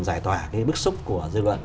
giải tỏa bức xúc của dư luận